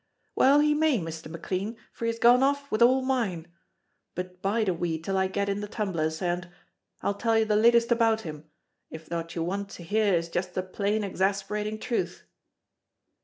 "Well he may, Mr. McLean, for he has gone off with all mine. But bide a wee till I get in the tumblers, and. I'll tell you the latest about him if what you want to hear is just the plain exasperating truth.